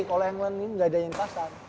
kalau england ini gak ada yang pasang